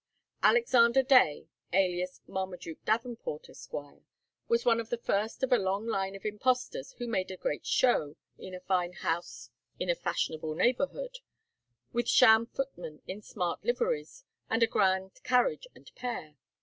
Alexander Day, alias Marmaduke Davenport, Esq., was one of the first of a long line of impostors who made a great show, in a fine house in a fashionable neighbourhood, with sham footmen in smart liveries, and a grand carriage and pair.